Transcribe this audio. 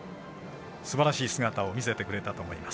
すばらしい姿を見せてくれたと思います。